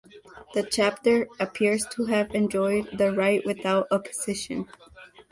The chapter appears to have enjoyed the right without opposition.